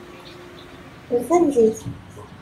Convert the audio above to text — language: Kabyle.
Sens-it.